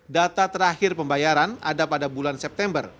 data terakhir pembayaran ada pada bulan september